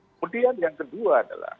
kemudian yang kedua adalah